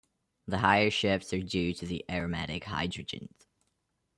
The higher shifts are due to the aromatic hydrogens.